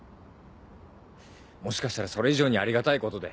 もしかしたらそれ以上にありがたいことで。